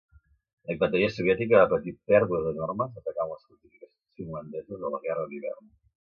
La infanteria soviètica va patir pèrdues enormes atacant les fortificacions finlandeses a la Guerra d'Hivern.